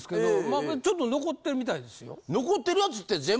まあちょっと残ってるみたいですよ。